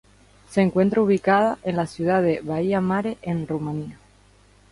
Se encuentra ubicada en la ciudad de Baia Mare en Rumania.